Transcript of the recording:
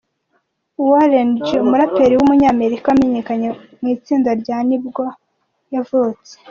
Warren G, umuraperi w’umunyamerika wamenyekanye mu itsinda rya nibwo yavutse.